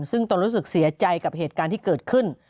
ซึ่งตนรู้สึกเสียใจกับเหตุการณ์ที่เกิดขึ้น